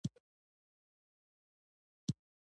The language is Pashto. اور بلول د میلمه د راتلو نښه کیدی شي.